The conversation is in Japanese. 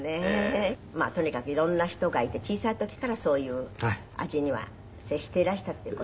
まあとにかくいろんな人がいて小さい時からそういう味には接していらしたっていう事で？